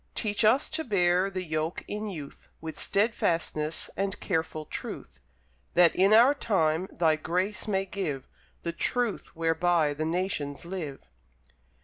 Teach us to bear the yoke in youth With steadfastness and careful truth; That, in our time, Thy Grace may give The Truth whereby the Nations live.